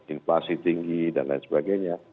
inflasi tinggi dan lain sebagainya